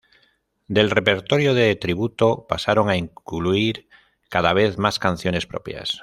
Del repertorio de tributo, pasaron a incluir cada vez más canciones propias.